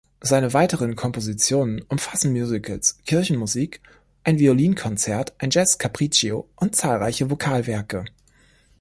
Seine weiteren Kompositionen umfassen Musicals, Kirchenmusik, ein Violinkonzert, ein Jazz-Capriccio und zahlreiche Vokalwerke.